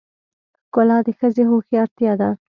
ښکلا د ښځې هوښیارتیا ده .